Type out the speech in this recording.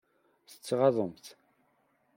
Tettɣaḍemt.